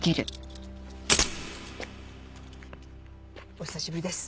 お久しぶりです。